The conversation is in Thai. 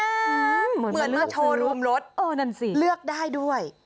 เหมือนมาโชว์รวมรถเหมือนมาเลือกทั้งทิศครับเออนั่นสิเลือกได้ด้วย